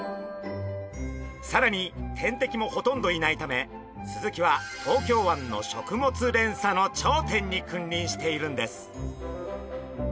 さらに天敵もほとんどいないためスズキは東京湾の食物連鎖の頂点に君臨しているんです。